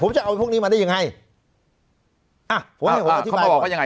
ผมจะเอาพวกนี้มาได้ยังไง